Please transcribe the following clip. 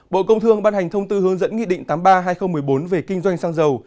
bộ công thương ban hành thông tư hướng dẫn nghị định tám mươi ba hai nghìn một mươi bốn về kinh doanh xăng dầu